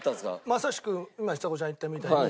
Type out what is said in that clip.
まさしく今ちさ子ちゃんが言ったみたいに。